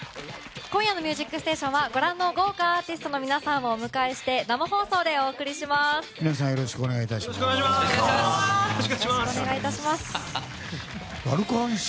今夜の「ミュージックステーション」はご覧の豪華アーティストの皆さんをお迎えして皆さんよろしくお願いします。